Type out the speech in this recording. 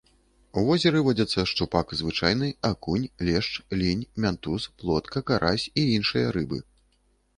У возеры водзяцца шчупак звычайны, акунь, лешч, лінь, мянтуз, плотка, карась і іншыя рыбы.